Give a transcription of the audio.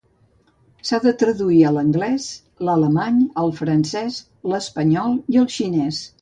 S'ha de traduir a l'anglès, l'alemany, el francès, l'espanyol i el xinès.